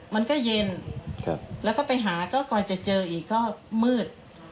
มันก็เย็นแล้วก็ไปหาก็กว่าจะเจออีกก็มืด